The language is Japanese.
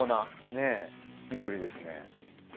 ねぇ緑ですね。